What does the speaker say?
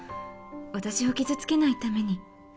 私を傷つけないために。